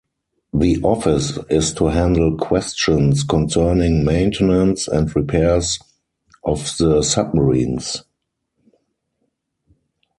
The office is to handle questions concerning maintenance and repairs of the submarines.